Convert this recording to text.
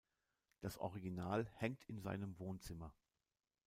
Das Original hängt in seinem Wohnzimmer.